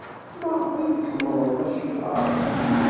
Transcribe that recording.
Maɣef ay tḥemmled tacirḍart?